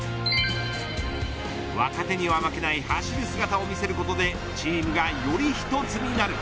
若手には負けない走る姿を見せることでチームがより一つになる。